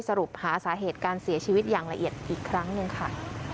สรุปหาสาเหตุการเสียชีวิตอย่างละเอียดอีกครั้งหนึ่งค่ะ